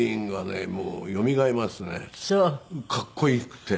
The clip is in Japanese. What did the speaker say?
かっこよくて。